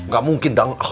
gak mungkin dang